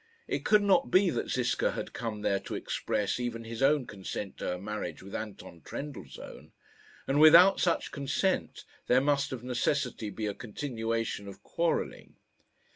It could not be that Ziska had come there to express even his own consent to her marriage with Anton Trendellsohn; and without such consent there must of necessity be a continuation of quarrelling.